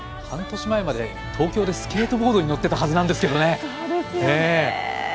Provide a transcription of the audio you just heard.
半年前まで東京でスケートボードに乗ってたはずなんですけどね。